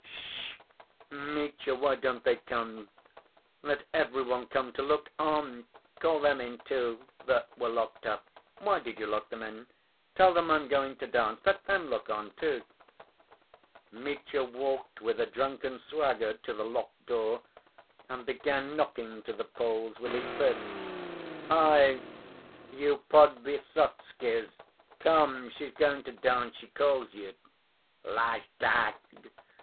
"Sh‐h! Mitya, why don't they come? Let every one come ... to look on. Call them in, too, that were locked in.... Why did you lock them in? Tell them I'm going to dance. Let them look on, too...." Mitya walked with a drunken swagger to the locked door, and began knocking to the Poles with his fist. "Hi, you ... Podvysotskys! Come, she's going to dance. She calls you." "_Lajdak!